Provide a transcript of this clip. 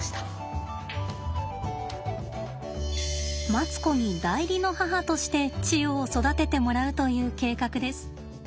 マツコに代理の母としてチヨを育ててもらうという計画です。